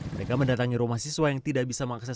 mereka mendatangi rumah siswa yang tidak bisa mengakses